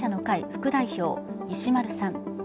副代表、石丸さん。